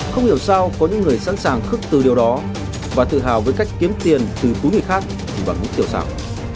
không hiểu sao có những người sẵn sàng khức từ điều đó và tự hào với cách kiếm tiền từ túi người khác thì vẫn không hiểu sao